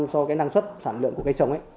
so với năng suất sản lượng của cây trồng ấy